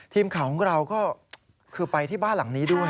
ทีมข่าวของเราก็คือไปที่บ้านหลังนี้ด้วย